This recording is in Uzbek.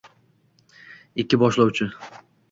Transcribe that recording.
ikki boshlovchi